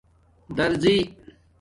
دَرزݵ